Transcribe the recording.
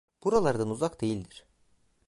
Buralardan uzak değildir.